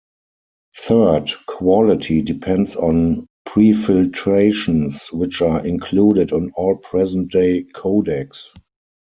Third, quality depends on prefiltrations, which are included on all present-day codecs.